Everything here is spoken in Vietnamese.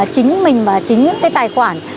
chính mình và chính những cái tài khoản